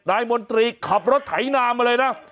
มนตรีขับรถไถนามาเลยนะ